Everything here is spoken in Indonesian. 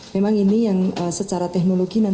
memang ini yang secara teknologi